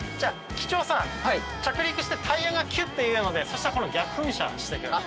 機長さん着陸してタイヤがキュッというのでそしたらこの逆噴射して。